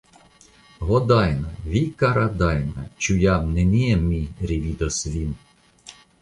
Ho, Dajna, vi kara Dajna, ĉu jam neniam mi revidos vin?